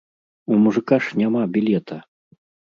У мужыка ж няма білета!